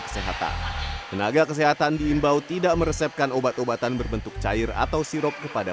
kesehatan tenaga kesehatan diimbau tidak meresepkan obat obatan berbentuk cair atau sirop kepada